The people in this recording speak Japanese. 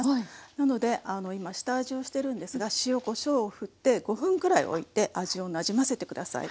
なので今下味をしてるんですが塩・こしょうをふって５分ぐらいおいて味をなじませて下さい。